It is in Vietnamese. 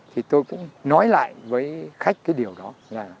thì tôi cũng nói lại với khách cái điều đó là